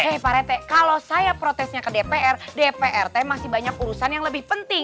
eh pak rete kalau saya protesnya ke dpr dprd masih banyak urusan yang lebih penting